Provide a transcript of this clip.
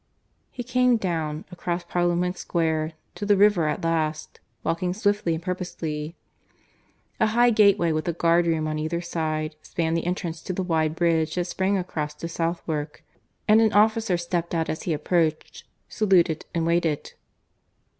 ... He came down, across Parliament Square, to the river at last, walking swiftly and purposelessly. A high gateway, with a guard room on either side, spanned the entrance to the wide bridge that sprang across to Southwark, and an officer stepped out as he approached, saluted, and waited.